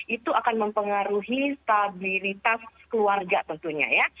itu akan mempengaruhi stabilitas keluarga tentunya ya